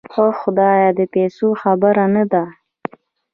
اوح خدايه د پيسو خبره نده.